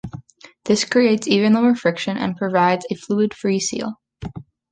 This creates even lower friction and provides a fluid-free seal.